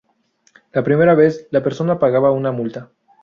La primera vez, la persona pagaba una multa.